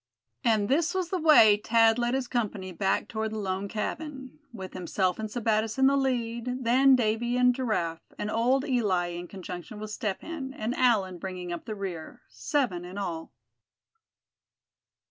And this was the way Thad led his company back toward the lone cabin, with himself and Sebattis in the lead, then Davy and Giraffe; and old Eli, in conjunction with Step Hen and Allan, bringing up the rear,—seven in all.